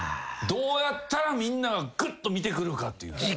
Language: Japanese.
どうやったらみんながぐっと見てくるかっていう。